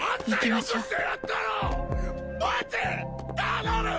頼む！